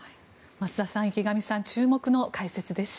増田さん、池上さん注目の解説です。